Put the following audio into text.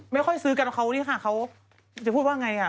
ไม่ค่อยซื้อกันว่าเขาจะพูดว่าไง